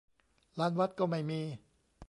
ลานวัดก็ไม่มี